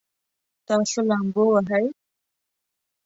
تاسو لامبو وهئ؟